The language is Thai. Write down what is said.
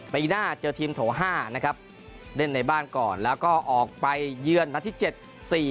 ไปหน้าเจอทีมโถ๕นะครับเล่นในบ้านก่อนแล้วก็ออกไปเยือนนัดที่๗